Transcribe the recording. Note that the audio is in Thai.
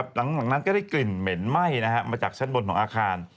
หลังจากนั้นก็ได้กลิ่นเหม็นไหม้มาจากชั้นบนของอาคาร